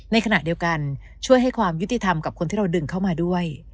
ในขณะเดียวกันช่วยให้ความยุติธรรมกับคนที่เราดึงเข้ามาด้วย